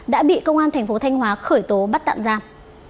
đã bị công an thành phố thanh hóa khởi tố bắt tạm giam